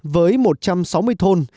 với một trăm sáu mươi thôn